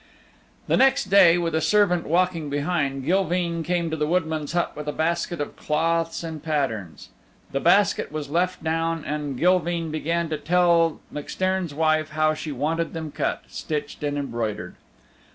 The next day, with a servant walking behind, Gilveen came to the woodman's hut with a basket of cloths and patterns. The basket was left down and Gilveen began to tell MacStairn's wife how she wanted them cut, stitched and embroidered.